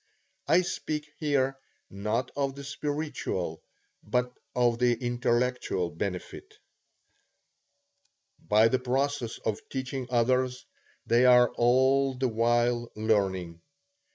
I speak here, not of the spiritual, but of the intellectual benefit. By the process of teaching others, they are all the while learning.